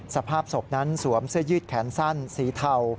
สภาพศพนั้นสวมเสื้อยืดแขนสั้นสีเทา